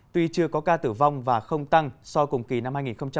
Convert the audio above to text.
tuy chưa có ca tử vong và không tăng so với cùng kỳ năm hai nghìn một mươi tám